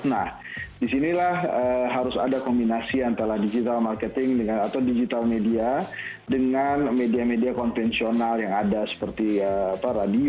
nah di sinilah harus ada kombinasi antara digital marketing atau digital media dengan media media konvensional yang ada seperti radio media cetak dan tv